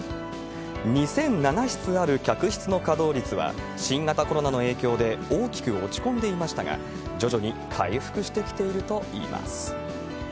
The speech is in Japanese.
２００７室ある客室の稼働率は、新型コロナの影響で大きく落ち込んでいましたが、徐々に回復してきているといいます。